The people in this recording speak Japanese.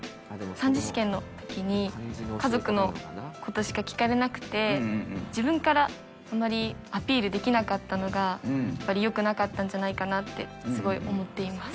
３次試験のときに、家族のことしか聞かれなくて、自分からあまりアピールできなかったのが、やっぱりよくなかったんじゃないかなって、すごい思っています。